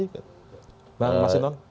jadi sebenarnya kan objeknya ini kpk